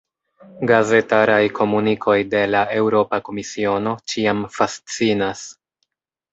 Gazetaraj komunikoj de la Eŭropa Komisiono ĉiam fascinas.